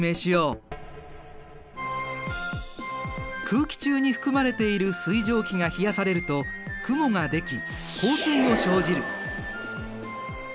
空気中に含まれている水蒸気が冷やされると雲ができ降水を生じる。